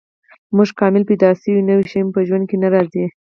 موږ کامل پیدا شوي یو، نوی شی مو په ژوند کې نه راځي.